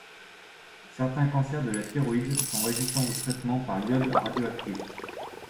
Certains cancers de la thyroïde sont résistants au traitement par l'iode radioactive.